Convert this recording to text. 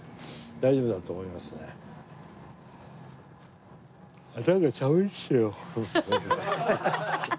大丈夫だと思いますね。